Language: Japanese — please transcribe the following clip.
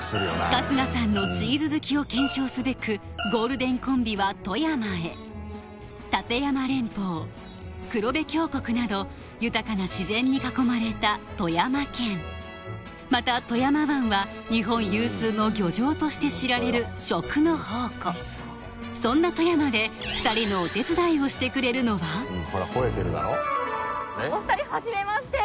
春日さんのチーズ好きを検証すべくゴールデンコンビは富山へ立山連峰黒部峡谷など豊かな自然に囲まれた富山県また富山湾は日本有数の漁場として知られる食の宝庫そんな富山で２人のお手伝いをしてくれるのはお２人はじめまして！